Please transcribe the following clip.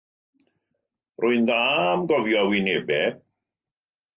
Rwy'n dda am gofio wynebau.